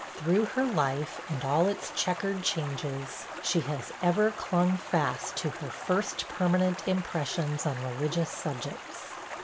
Through her life, and all its chequered changes, she has ever clung fast to her first permanent impressions on religious subjects.